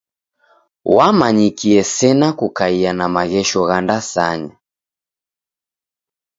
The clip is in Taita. Wamanyikie sena kukaia na maghesho gha ndasanya.